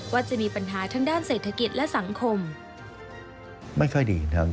ว่าจะมีปัญหาทั้งด้านเศรษฐกิจและสังคม